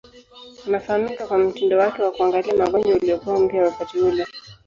Anafahamika kwa mtindo wake wa kuangalia magonjwa uliokuwa mpya wakati ule.